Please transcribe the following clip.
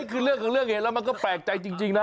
คือเรื่องของเรื่องเห็นแล้วมันก็แปลกใจจริงนะ